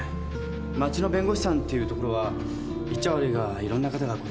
町の弁護士さんっていうところは言っちゃ悪いがいろんな方が来られるわけでしょう？